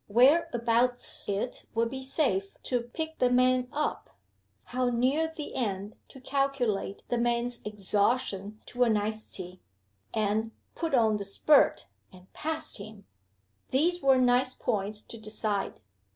Whereabouts it would be safe to "pick the man up?" How near the end to calculate the man's exhaustion to a nicety, and "put on the spurt," and pass him? These were nice points to decide.